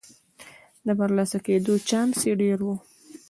د برلاسه کېدو چانس یې ډېر و.